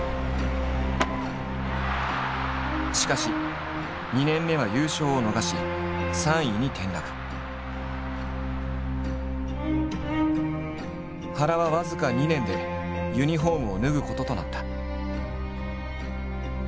しかし２年目は優勝を逃し原は僅か２年でユニホームを脱ぐこととなった。